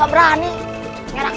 bukan jadi kamu